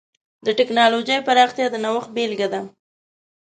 د ټکنالوجۍ پراختیا د نوښت بېلګه ده.